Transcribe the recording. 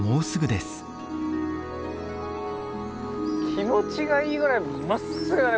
気持ちがいいぐらいまっすぐだね